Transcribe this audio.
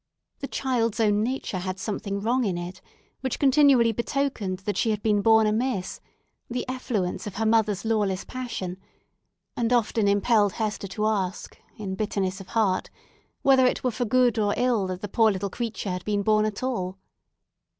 The child's own nature had something wrong in it which continually betokened that she had been born amiss—the effluence of her mother's lawless passion—and often impelled Hester to ask, in bitterness of heart, whether it were for ill or good that the poor little creature had been born at all.